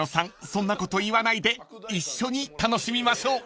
そんなこと言わないで一緒に楽しみましょう！］